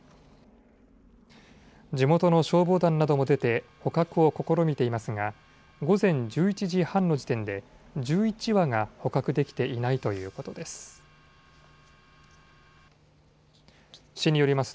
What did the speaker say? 地元の消防団なども出て捕獲を試みていますが午前１１時半の時点で１１羽が捕獲できていないということです。